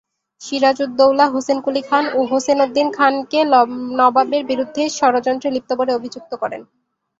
সিরাজউদ্দৌলা হোসেন কুলী খান ও হোসেনউদ্দীন খানকে নবাবের বিরুদ্ধে ষড়যন্ত্রে লিপ্ত বলে অভিযুক্ত করেন।